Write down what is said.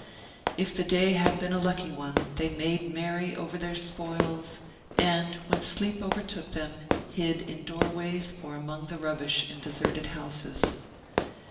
If the day had been a lucky one, they made merry over their spoils, and when sleep overtook them, hid in doorways or among the rubbish in deserted houses.